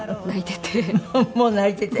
もう泣いていて？